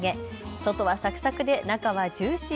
外はサクサクで中はジューシー。